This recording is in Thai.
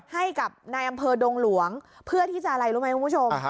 ให้กับนายอำเภอดงหลวงเพื่อที่จะอะไรรู้ไหมคุณผู้ชม